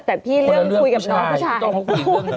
แต่พี่เริ่มคุยกับน้องผู้ชาย